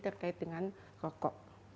terkait dengan rokok